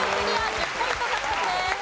１０ポイント獲得です。